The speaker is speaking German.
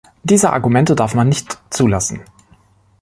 Diese Argumente darf man nicht zulassen.